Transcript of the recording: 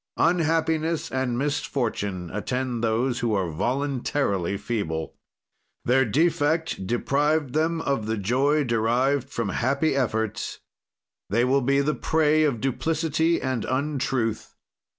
"Unhappiness and misfortune attend those who are voluntarily feeble. "Their defect deprived them of the joy derived from happy efforts. They will be the prey of duplicity and untruth.